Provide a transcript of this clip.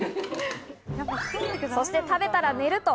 そして食べたら寝ると。